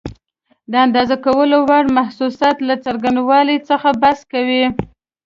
د اندازه کولو وړ محسوساتو له څرنګوالي څخه بحث کوي.